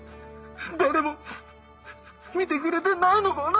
誰も見てくれてないのかな？